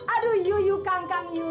aduh yu yu kang kang yu